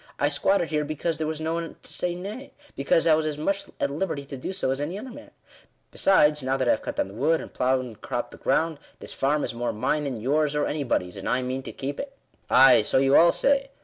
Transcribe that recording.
I squatted here because there was no one to say nay — because I was as much at liberty to do so as any other man. Besides, now that I have cut down the wood, and ploughed and cropped the ground, this farm is more mine than yours, or anybody's; and I mean to keep it." " Ay, so you all say.